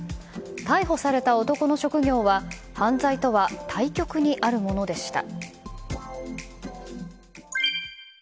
逮捕された男の職業は犯罪とは対極にあるものでした。